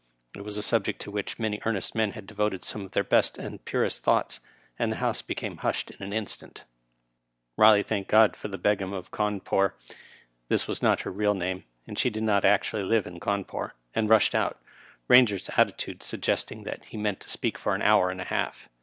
It was a subject to which many earnest men had devoted some of their best and purest thoughts, and the House became hushed in an instant. Riley thanked God for the Begum of Cawnpore Digitized by VjOOQIC 180 RILET. M. P. (this was not her real name, and she did not actually live in Cawnpore) and raBhed oat; Bainger's attitude anggesting that he meant to speak for an hour and a half.